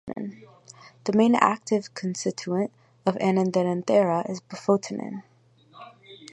The main active constituent of "Anadenanthera" is bufotenin.